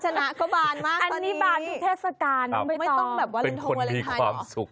อะไรครับอันนี้บานทุกเทศกาลไม่ต้องเป็นคนมีความสุข